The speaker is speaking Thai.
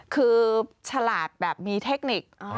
คือฉลาดแบบมีเทคนิค